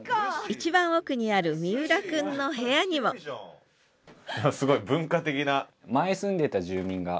一番奥にある三浦くんの部屋にもすごい文化的な。